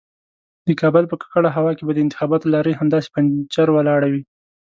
د کابل په ککړه هوا کې به د انتخاباتو لارۍ همداسې پنجر ولاړه وي.